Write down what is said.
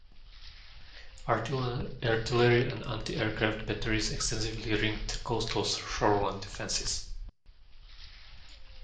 Artillery and anti-aircraft batteries extensively ringed the coastal shoreline defenses.